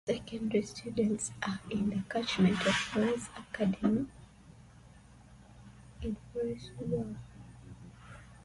Secondary students are in the catchment zone of Forres Academy in Forres.